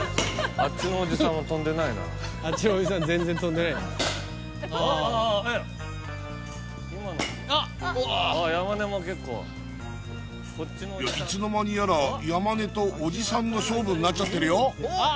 あ飛んでますあっああ山根も結構いつの間にやら山根とおじさんの勝負になっちゃってるよあっ